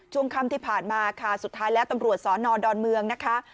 ช่วงค่ำที่ผ่านมาค่ะสุดท้ายแล้วตำรวจสอนอดอนเมืองนะคะ